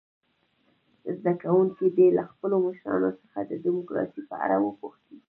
زده کوونکي دې له خپلو مشرانو څخه د ډموکراسۍ په اړه وپوښتي.